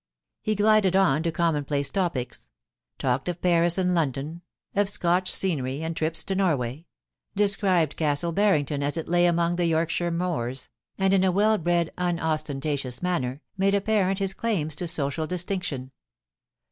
He glided on to commonplace topics ; talked of Paris and Lon don, of Scotch scenery, and trips to Norway; described Castle Barrington, as it lay among the Yorkshire moors, and, in a well bred unostentatious manner, made apparent his claims to social distinction.